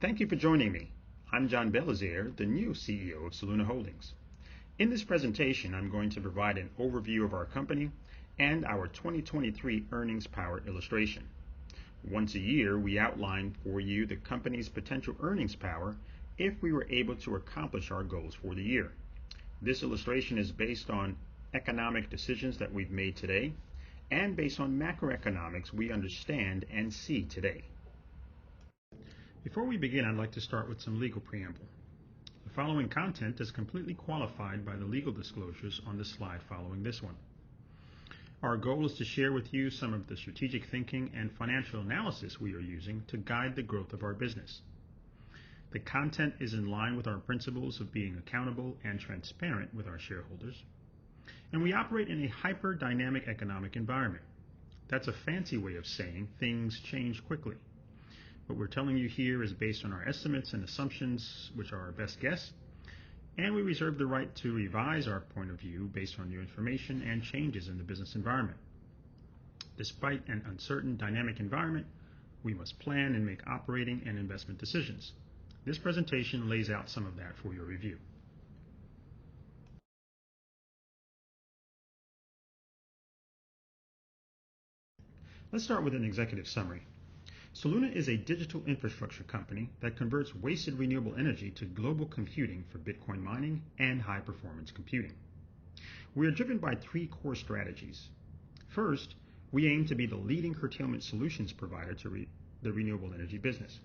Thank you for joining me. I'm John Belizaire, the new CEO of Soluna Holdings. In this presentation, I'm going to provide an overview of our company and our 2023 earnings power illustration. Once a year, we outline for you the company's potential earnings power if we were able to accomplish our goals for the year. This illustration is based on economic decisions that we've made today and based on macroeconomics we understand and see today. Before we begin, I'd like to start with some legal preamble. The following content is completely qualified by the legal disclosures on the slide following this one. Our goal is to share with you some of the strategic thinking and financial analysis we are using to guide the growth of our business. The content is in line with our principles of being accountable and transparent with our shareholders. We operate in a hyper-dynamic economic environment. That's a fancy way of saying things change quickly. What we're telling you here is based on our estimates and assumptions, which are our best guess. We reserve the right to revise our point of view based on new information and changes in the business environment. Despite an uncertain dynamic environment, we must plan and make operating and investment decisions. This presentation lays out some of that for your review. Let's start with an executive summary. Soluna is a digital infrastructure company that converts wasted renewable energy to global computing for Bitcoin mining and high-performance computing. We are driven by three core strategies. First, we aim to be the leading curtailment solutions provider to the renewable energy business.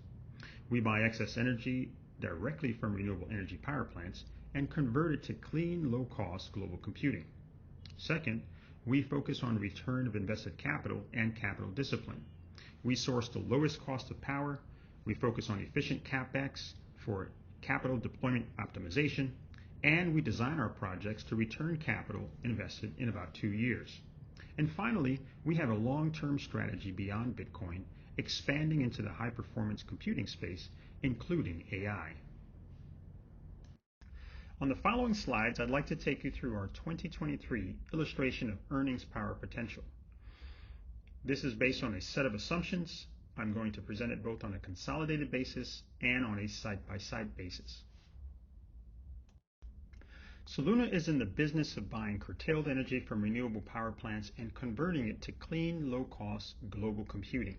We buy excess energy directly from renewable energy power plants and convert it to clean, low-cost global computing. Second, we focus on return of invested capital and capital discipline. We source the lowest cost of power, we focus on efficient CapEx for capital deployment optimization, and we design our projects to return capital invested in about two years. Finally, we have a long-term strategy beyond Bitcoin, expanding into the high-performance computing space, including AI. On the following slides, I'd like to take you through our 2023 illustration of earnings power potential. This is based on a set of assumptions. I'm going to present it both on a consolidated basis and on a side-by-side basis. Soluna is in the business of buying curtailed energy from renewable power plants and converting it to clean, low-cost global computing.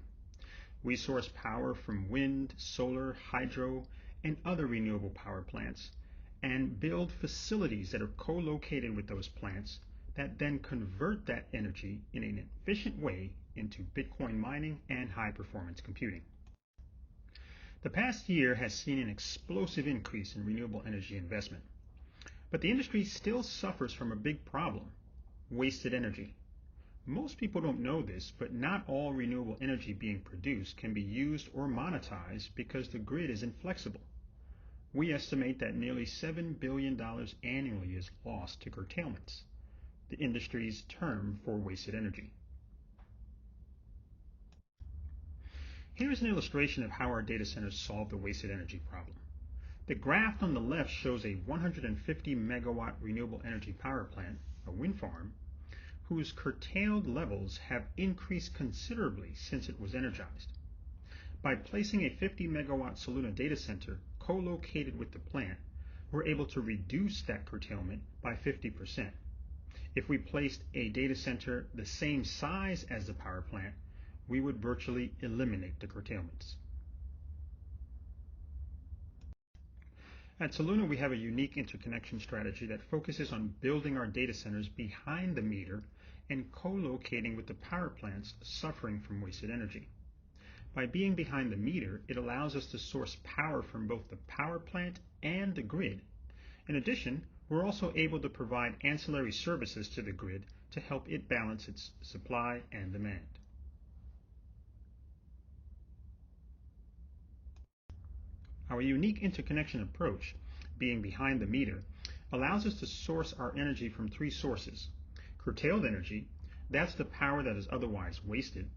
We source power from wind, solar, hydro, and other renewable power plants and build facilities that are co-located with those plants that then convert that energy in an efficient way into Bitcoin mining and high-performance computing. The past year has seen an explosive increase in renewable energy investment, the industry still suffers from a big problem: wasted energy. Most people don't know this, not all renewable energy being produced can be used or monetized because the grid is inflexible. We estimate that nearly $7 billion annually is lost to curtailments, the industry's term for wasted energy. Here is an illustration of how our data centers solve the wasted energy problem. The graph on the left shows a 150 MW renewable energy power plant, a wind farm, whose curtailed levels have increased considerably since it was energized. By placing a 50 MW Soluna data center co-located with the plant, we're able to reduce that curtailment by 50%. If we placed a data center the same size as the power plant, we would virtually eliminate the curtailments. At Soluna, we have a unique interconnection strategy that focuses on building our data centers behind the meter and co-locating with the power plants suffering from wasted energy. By being behind the meter, it allows us to source power from both the power plant and the grid. We're also able to provide ancillary services to the grid to help it balance its supply and demand. Our unique interconnection approach, being behind the meter, allows us to source our energy from three sources: curtailed energy, that's the power that is otherwise wasted,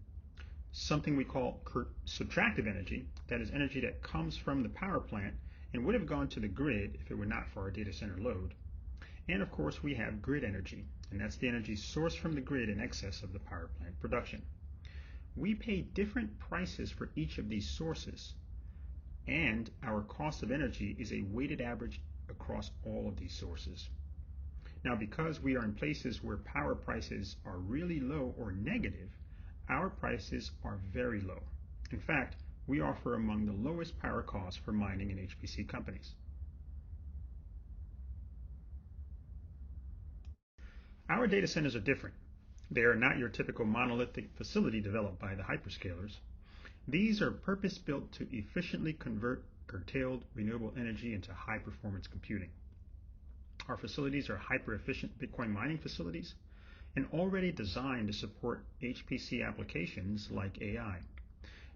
something we call subtractive energy, that is energy that comes from the power plant and would have gone to the grid if it were not for our data center load, and of course, we have grid energy, and that's the energy sourced from the grid in excess of the power plant production. We pay different prices for each of these sources, and our cost of energy is a weighted average across all of these sources. Now, because we are in places where power prices are really low or negative, our prices are very low. In fact, we offer among the lowest power costs for mining and HPC companies. Our data centers are different. They are not your typical monolithic facility developed by the hyperscalers. These are purpose-built to efficiently convert curtailed renewable energy into high-performance computing. Our facilities are hyper-efficient Bitcoin mining facilities and already designed to support HPC applications like AI.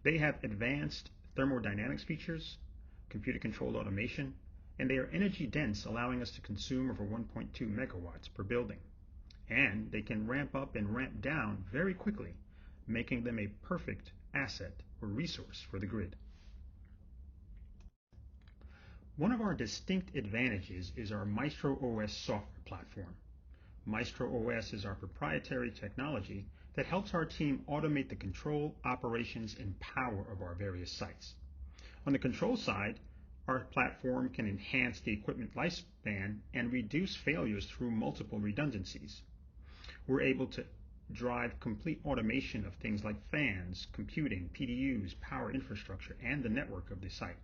They have advanced thermodynamics features, computer-controlled automation, and they are energy-dense, allowing us to consume over 1.2 MW per building. They can ramp up and ramp down very quickly, making them a perfect asset or resource for the grid. One of our distinct advantages is our MaestroOS software platform. MaestroOS is our proprietary technology that helps our team automate the control, operations, and power of our various sites. On the control side, our platform can enhance the equipment lifespan and reduce failures through multiple redundancies. We're able to drive complete automation of things like fans, computing, PDUs, power infrastructure, and the network of the site.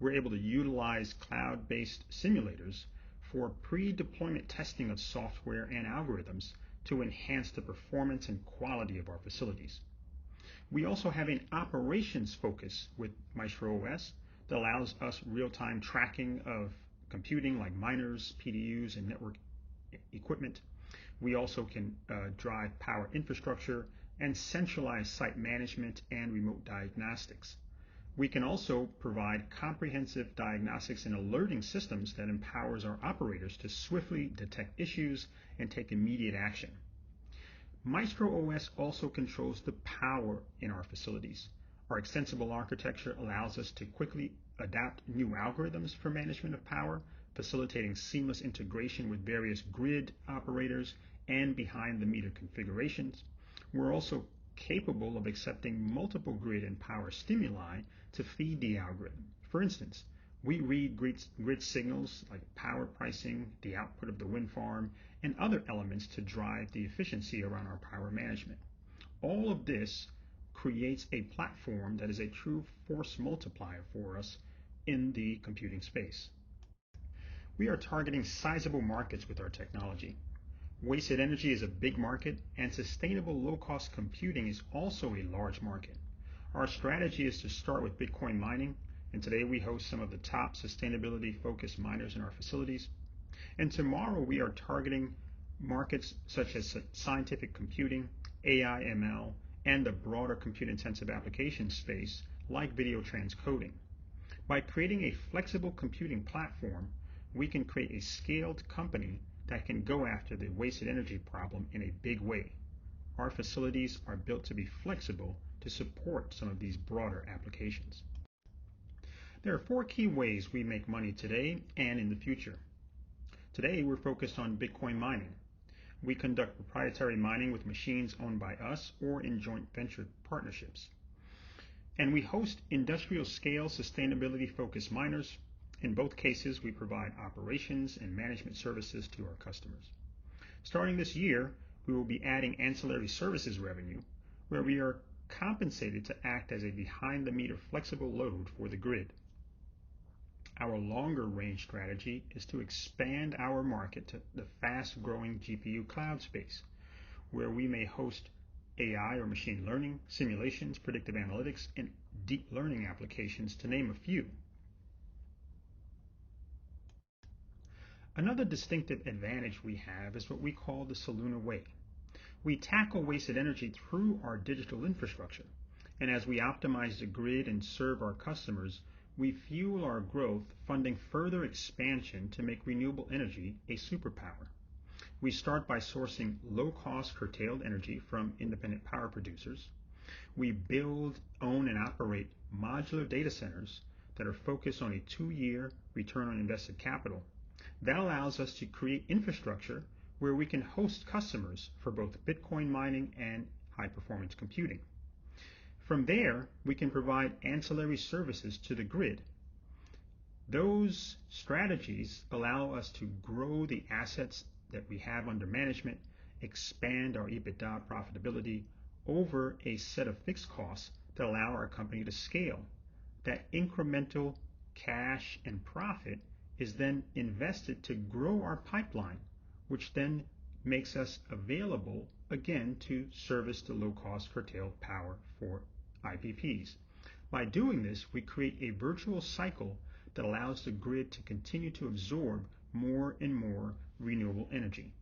We're able to utilize cloud-based simulators for pre-deployment testing of software and algorithms to enhance the performance and quality of our facilities. We also have an operations focus with MaestroOS that allows us real-time tracking of computing like miners, PDUs, and network equipment. We also can drive power infrastructure and centralize site management and remote diagnostics. We can also provide comprehensive diagnostics and alerting systems that empowers our operators to swiftly detect issues and take immediate action. MaestroOS also controls the power in our facilities. Our extensible architecture allows us to quickly adapt new algorithms for management of power, facilitating seamless integration with various grid operators and behind-the-meter configurations. We're also capable of accepting multiple grid and power stimuli to feed the algorithm. For instance, we read grid signals like power pricing, the output of the wind farm, and other elements to drive the efficiency around our power management. All of this creates a platform that is a true force multiplier for us in the computing space. We are targeting sizable markets with our technology. Wasted energy is a big market, and sustainable low-cost computing is also a large market. Our strategy is to start with Bitcoin mining, and today we host some of the top sustainability-focused miners in our facilities. Tomorrow we are targeting markets such as scientific computing, AI, ML, and the broader compute-intensive application space, like video transcoding. By creating a flexible computing platform, we can create a scaled company that can go after the wasted energy problem in a big way. Our facilities are built to be flexible to support some of these broader applications. There are four key ways we make money today and in the future. Today, we're focused on Bitcoin mining. We conduct proprietary mining with machines owned by us or in joint venture partnerships, and we host industrial-scale, sustainability-focused miners. In both cases, we provide operations and management services to our customers. Starting this year, we will be adding ancillary services revenue, where we are compensated to act as a behind the meter flexible load for the grid. Our longer-range strategy is to expand our market to the fast-growing GPU cloud space, where we may host AI or machine learning, simulations, predictive analytics, and deep learning applications, to name a few. Another distinctive advantage we have is what we call the Soluna Way. We tackle wasted energy through our digital infrastructure. As we optimize the grid and serve our customers, we fuel our growth, funding further expansion to make renewable energy a superpower. We start by sourcing low-cost curtailed energy from independent power producers. We build, own, and operate modular data centers that are focused on a two-year return on invested capital. That allows us to create infrastructure where we can host customers for both Bitcoin mining and high-performance computing. From there, we can provide ancillary services to the grid. Those strategies allow us to grow the assets that we have under management, expand our EBITDA profitability over a set of fixed costs to allow our company to scale. That incremental cash and profit is then invested to grow our pipeline, which then makes us available again to service the low-cost curtailed power for IPPs. By doing this, we create a virtual cycle that allows the grid to continue to absorb more and more renewable energy.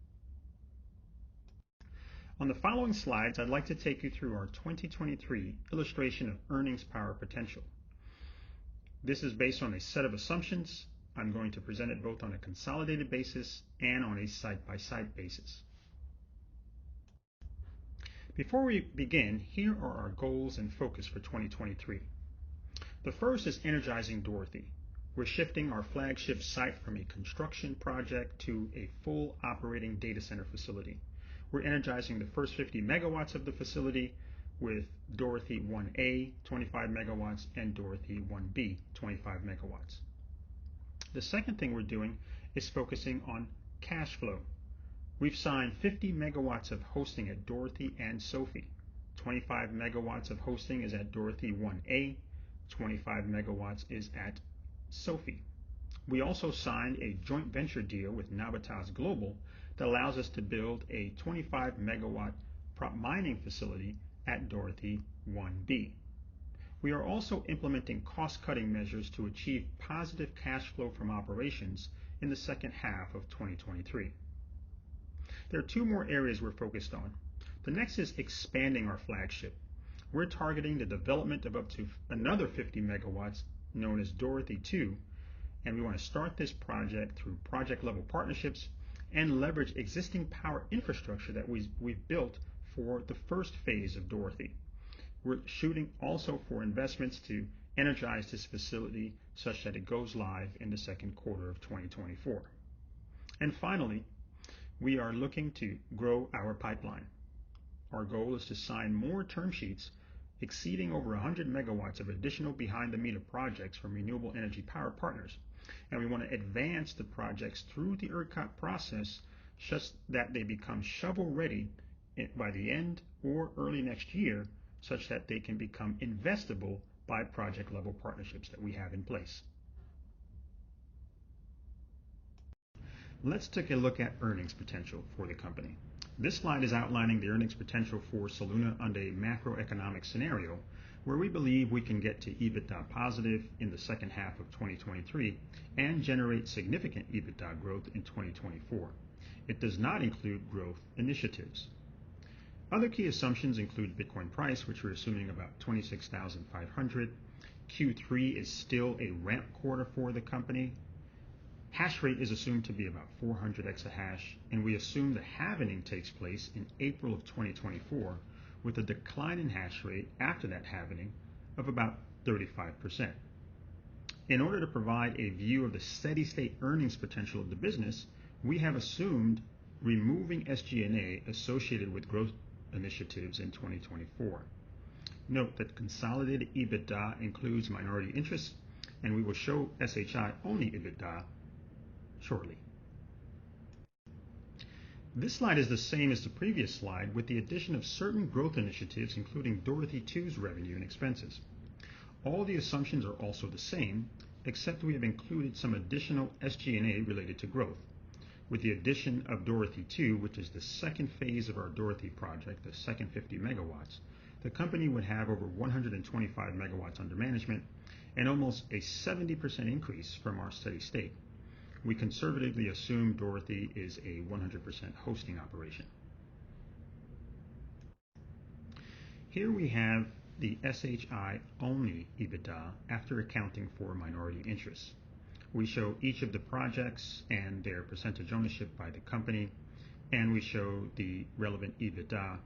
On the following slides, I'd like to take you through our 2023 illustration of earnings power potential. This is based on a set of assumptions. I'm going to present it both on a consolidated basis and on a site-by-site basis. Before we begin, here are our goals and focus for 2023. The first is energizing Dorothy. We're shifting our flagship site from a construction project to a full operating data center facility. We're energizing the first 50 MW of the facility with Dorothy One A, 25 MW, and Dorothy One B, 25 MW. The second thing we're doing is focusing on cash flow. We've signed 50 MW of hosting at Dorothy and Sophie. 25 MW of hosting is at Dorothy One A, 25 MW is at Sophie. We also signed a joint venture deal with Navitas Global that allows us to build a 25 MW prop mining facility at Dorothy One B. We are also implementing cost-cutting measures to achieve positive cash flow from operations in the H2 of 2023. There are two more areas we're focused on. The next is expanding our flagship. We're targeting the development of up to another 50 MW, known as Dorothy II, and we want to start this project through project-level partnerships and leverage existing power infrastructure that we've built for the first phase of Dorothy. We're shooting also for investments to energize this facility such that it goes live in the second quarter of 2024. Finally, we are looking to grow our pipeline. Our goal is to sign more term sheets exceeding over 100 MW of additional behind-the-meter projects from renewable energy power partners. We want to advance the projects through the ERCOT process, such that they become shovel-ready by the end or early next year, such that they can become investable by project-level partnerships that we have in place. Let's take a look at earnings potential for the company. This slide is outlining the earnings potential for Soluna under a macroeconomic scenario, where we believe we can get to EBITDA positive in the H2 of 2023 and generate significant EBITDA growth in 2024. It does not include growth initiatives. Other key assumptions include Bitcoin price, which we're assuming about $26,500. Q3 is still a ramp quarter for the company. Hash rate is assumed to be about 400 EH/s. We assume the halving takes place in April of 2024, with a decline in hash rate after that halving of about 35%. In order to provide a view of the steady-state earnings potential of the business, we have assumed removing SG&A associated with growth initiatives in 2024. Note that consolidated EBITDA includes minority interests. We will show SHI-only EBITDA shortly. This slide is the same as the previous slide, with the addition of certain growth initiatives, including Dorothy II's revenue and expenses. All the assumptions are also the same, except we have included some additional SG&A related to growth. With the addition of Dorothy two, which is the second phase of our Dorothy project, the second 50 MW, the company would have over 125 MW under management and almost a 70% increase from our steady state. We conservatively assume Dorothy is a 100% hosting operation. Here we have the SHI-only EBITDA after accounting for minority interests. We show each of the projects and their percentage ownership by the company. We show the relevant EBITDA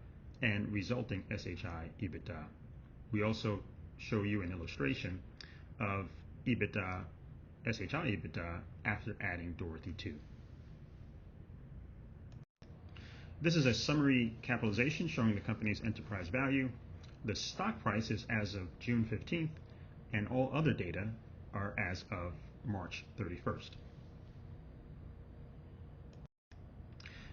and resulting SHI EBITDA. We also show you an illustration of EBITDA, SHI EBITDA, after adding Dorothy II. This is a summary capitalization showing the company's enterprise value. The stock price is as of June 15th. All other data are as of March 31st.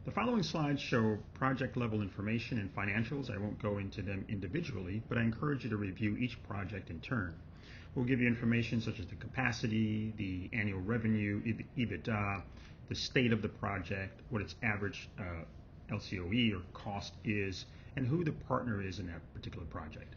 The following slides show project-level information and financials. I won't go into them individually, but I encourage you to review each project in turn. We'll give you information such as the capacity, the annual revenue, EBITDA, the state of the project, what its average LCOE or cost is, and who the partner is in that particular project.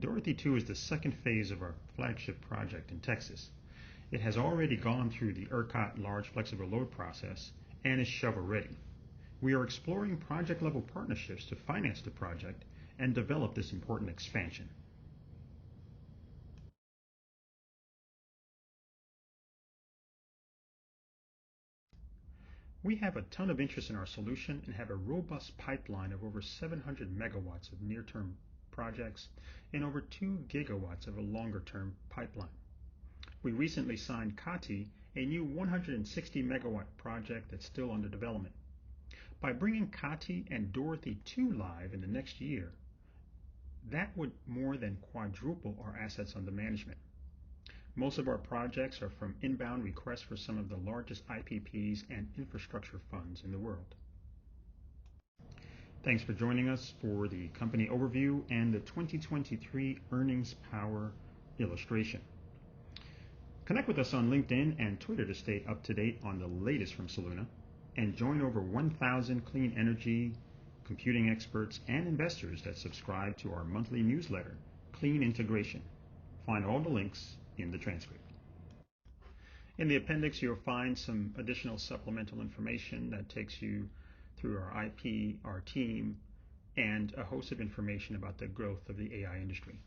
Dorothy II is the second phase of our flagship project in Texas. It has already gone through the ERCOT Large Flexible Load process and is shovel-ready. We are exploring project-level partnerships to finance the project and develop this important expansion. We have a ton of interest in our solution and have a robust pipeline of over 700 MW of near-term projects and over 2 GW of a longer-term pipeline. We recently signed Kati, a new 160 MW project that's still under development. By bringing Kati and Dorothy II live in the next year, that would more than quadruple our assets under management. Most of our projects are from inbound requests for some of the largest IPPs and infrastructure funds in the world. Thanks for joining us for the company overview and the 2023 earnings power illustration. Connect with us on LinkedIn and Twitter to stay up to date on the latest from Soluna, and join over 1,000 clean energy computing experts and investors that subscribe to our monthly newsletter, Clean Integration. Find all the links in the transcript. In the appendix, you'll find some additional supplemental information that takes you through our IP, our team, and a host of information about the growth of the AI industry.